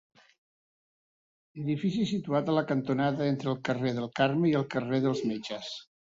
Edifici situat a la cantonada entre el carrer del Carme i el carrer dels Metges.